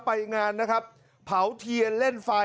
ไปงานนะครับเผาเทียนเล่นไฟ